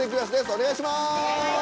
お願いします！